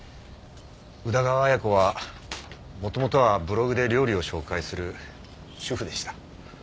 宇田川綾子は元々はブログで料理を紹介する主婦でした。